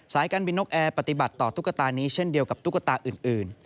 การบินนกแอร์ปฏิบัติต่อตุ๊กตานี้เช่นเดียวกับตุ๊กตาอื่น